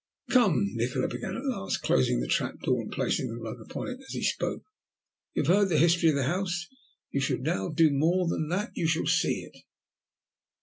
"Come," Nikola began at last, closing the trap door and placing the rug upon it as he spoke, "you have heard the history of the house. You shall now do more than that! You shall see it!"